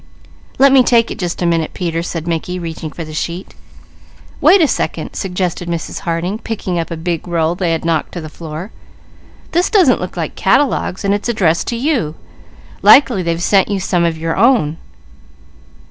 "Let me take it just a minute, Peter," said Mickey. "Wait a second," suggested Mrs. Harding, picking up a big roll that they had knocked to the floor. "This doesn't look like catalogues, and it's addressed to you. Likely they've sent you some of your own."